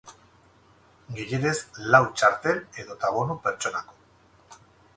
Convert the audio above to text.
Gehienez lau txartel edota bonu pertsonako.